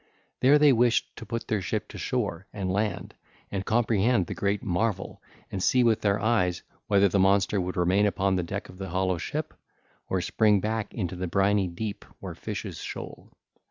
There they wished to put their ship to shore, and land and comprehend the great marvel and see with their eyes whether the monster would remain upon the deck of the hollow ship, or spring back into the briny deep where fishes shoal.